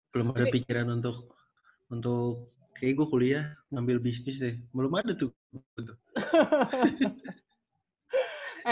belum ada pikiran untuk kayak gue kuliah ngambil bisnis deh belum ada tuh